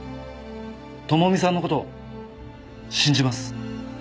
朋美さんの事信じます。